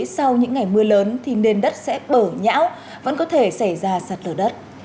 sau những ngày mưa lớn thì nền đất sẽ bở nhão vẫn có thể xảy ra sạt lở đất